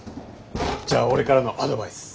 じゃあ俺からのアドバイス。